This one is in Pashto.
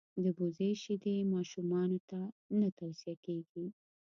دبزې شیدي ماشومانوته نه تو صیه کیږي.